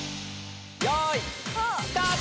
よーい、スタート。